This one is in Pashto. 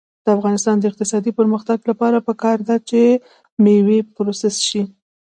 د افغانستان د اقتصادي پرمختګ لپاره پکار ده چې مېوې پروسس شي.